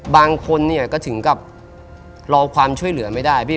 บางคนเนี่ยก็ถึงกับรอความช่วยเหลือไม่ได้พี่